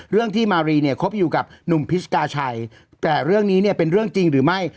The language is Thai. เรื่องที่มารีเนี่ยคบอยู่กับหนุ่มพิชกาชัยแต่เรื่องนี้เนี่ยเป็นเรื่องจริงหรือไม่